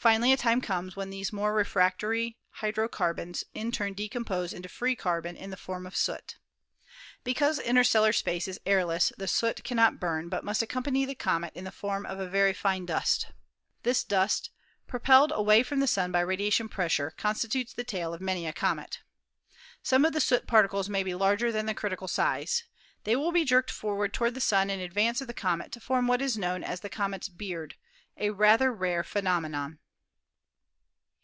Finally, a time comes when these more refractory hydro carbons in turn decompose into free carbon in the form of soot. Because interstellar space is airless the soot cannot burn, but must accompany the comet in the form of a very fine dust. This dust, propelled away from the Sun by radiation pressure, constitutes the tail of many a comet. Some of the soot particles may be larger than the critical size. They will be jerked forward toward the Sun in advance of the comet to form what is known as the comet's "beard," a rather rare phenomenon.